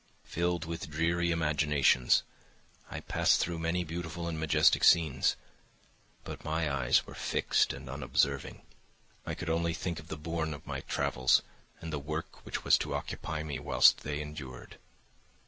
Filled with dreary imaginations, I passed through many beautiful and majestic scenes, but my eyes were fixed and unobserving. I could only think of the bourne of my travels and the work which was to occupy me whilst they endured.